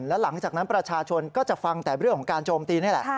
แล้วหลังจากนั้นประชาชนก็จะฟังแต่เรื่องของการโจมตีนี่แหละ